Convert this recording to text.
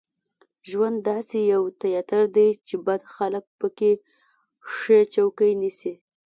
ژوند داسې یو تیاتر دی چې بد خلک په کې ښې چوکۍ نیسي.